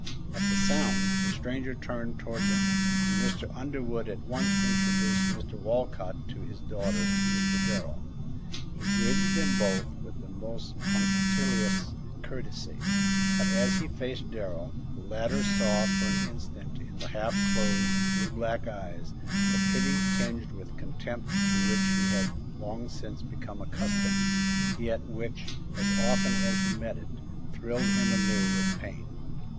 At the sound, the stranger turned towards them, and Mr. Underwood at once introduced Mr. Walcott to his daughter and Mr. Darrell. He greeted them both with the most punctilious courtesy, but as he faced Darrell, the latter saw for an instant in the half closed, blue black eyes, the pity tinged with contempt to which he had long since become accustomed, yet which, as often as he met it, thrilled him anew with pain.